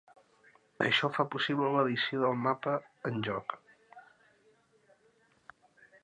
Això fa possible l'edició del mapa en joc.